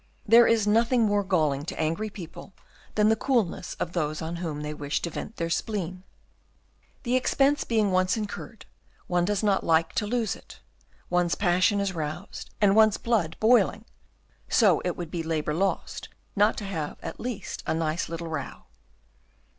There is nothing more galling to angry people than the coolness of those on whom they wish to vent their spleen. The expense being once incurred, one does not like to lose it; one's passion is roused, and one's blood boiling, so it would be labour lost not to have at least a nice little row.